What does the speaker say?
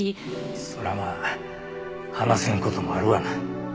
それはまあ話せん事もあるわな。